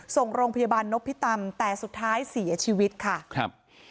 ส่งโรงพยาบาลนพิตำแต่สุดท้ายเสียชีวิตค่ะครับ